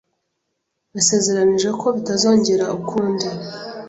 yasezeranije ko bitazongera ukundi.